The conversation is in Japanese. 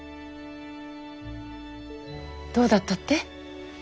どうだったって？